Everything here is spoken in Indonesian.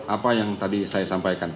apa yang tadi saya sampaikan